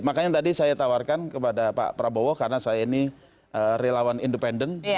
makanya tadi saya tawarkan kepada pak prabowo karena saya ini relawan independen